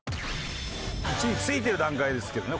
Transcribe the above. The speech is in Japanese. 位置についてる段階ですけどね